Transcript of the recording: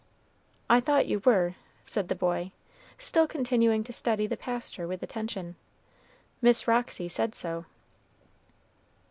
"I thought you were," said the boy, still continuing to study the pastor with attention. "Miss Roxy said so."